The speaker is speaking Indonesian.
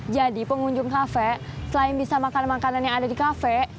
jadi pengunjung kafe selain bisa makan makanan yang ada di kafe